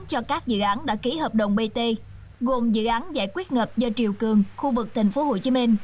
cho các dự án đã ký hợp đồng bt gồm dự án giải quyết ngập do triều cường khu vực tp hcm